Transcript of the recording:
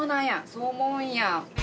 そう思うんや。